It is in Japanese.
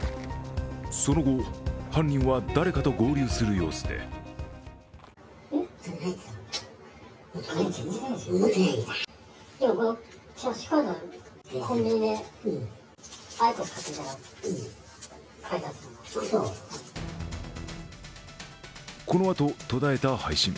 その後、犯人は誰かと合流する様子でこのあと、途絶えた配信。